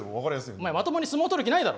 お前まともに相撲取る気ないだろ。